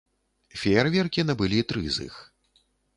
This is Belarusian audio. Феерверкі набылі тры з іх.